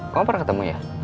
kamu pernah ketemu ya